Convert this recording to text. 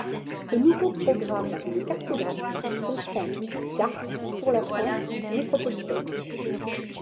Ce nouveau programme de cartographie comprend cartes pour la France métropolitaine.